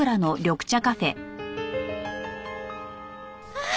ああ！